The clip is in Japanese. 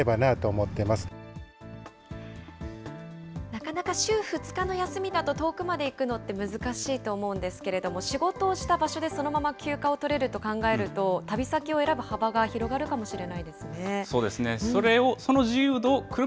なかなか週２日の休みだと、遠くまで行くのって難しいと思うんですけれども、仕事をした場所でそのまま休暇を取れると考えると、旅先を選ぶ幅が広がるかもしれないですね。